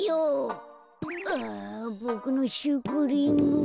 あボクのシュークリーム。